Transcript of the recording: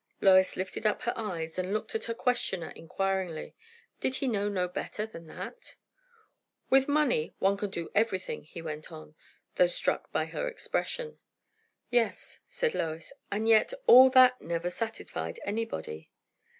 Lois lifted up her eyes and looked at her questioner inquiringly. Did he know no better than that? "With money, one can do everything," he went on, though struck by her expression. "Yes," said Lois; "and yet all that never satisfied anybody."